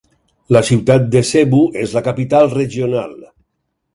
La ciutat de Cebu és la capital regional.